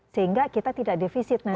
sehingga kita tidak defisit